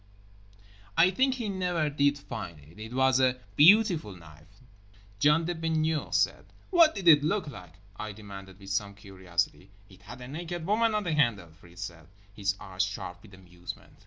I think he never did find it. It was a "beautiful" knife, John the Baigneur said. "What did it look like?" I demanded with some curiosity. "It had a naked woman on the handle" Fritz said, his eyes sharp with amusement.